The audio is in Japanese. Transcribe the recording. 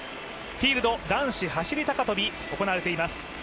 フィールド、男子走り高跳び行われています。